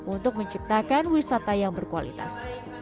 untuk menciptakan wisata yang berkualitas